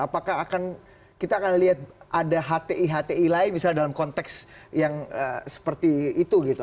apakah akan kita akan lihat ada hti hti lain misalnya dalam konteks yang seperti itu gitu